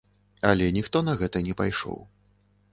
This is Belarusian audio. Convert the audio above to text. Але ніхто на гэта не пайшоў.